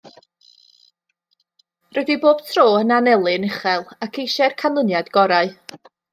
Rydw i bob tro yn anelu yn uchel ac eisiau'r canlyniad gorau